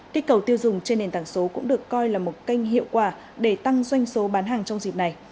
kích cầu tiêu dùng trên nền tảng số cũng được coi là một kênh hiệu quả để tăng doanh số bán hàng trong dịp này